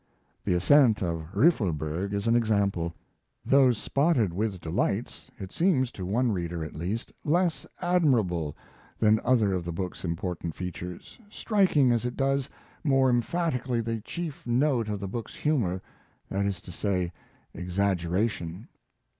The ascent of Riffelberg is an example. Though spotted with delights it seems, to one reader at least, less admirable than other of the book's important features, striking, as it does, more emphatically the chief note of the book's humor that is to say, exaggeration.